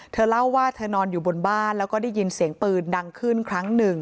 เธอเล่าว่าเธอนอนอยู่บนบ้านแล้วก็ได้ยินเสียงปืนดังขึ้นครั้งหนึ่ง